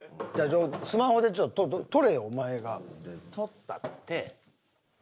スマホで撮れよお前が。撮ったって。